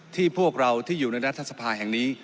พวกเราที่อยู่ในรัฐสภาแห่งนี้